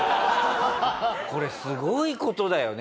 これすごい事だよね。